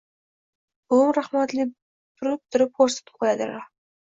Buvim rahmatli turib-turib xo‘rsinib qo‘yardilar.